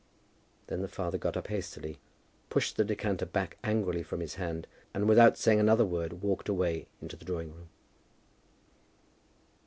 Then the father got up hastily, pushed the decanter back angrily from his hand, and without saying another word walked away into the drawing room.